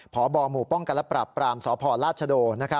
พบหมู่ป้องกันและปรับปรามสพราชโด